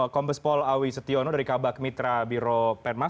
kompas pol awi setiono dari kabak mitra biro pemah